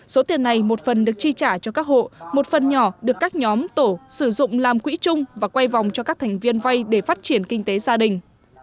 số tiền này một phần được chi trả cho các hộ một phần nhỏ được các nhóm tổ sử dụng làm quỹ chung và quay vòng cho các thành viên vay để phát triển kinh tế gia đình